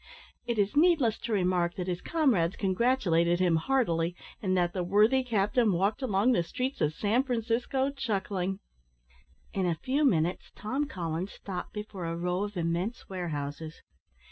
It is needless to remark, that his comrades congratulated him heartily, and that the worthy captain walked along the streets of San Francisco chuckling. In a few minutes, Tom Collins stopped before a row of immense warehouses.